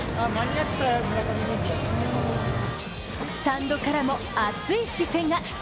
スタンドからも熱い視線が。